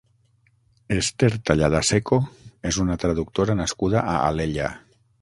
Esther Tallada Seco és una traductora nascuda a Alella.